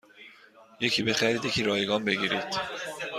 یکی بخرید یکی رایگان بگیرید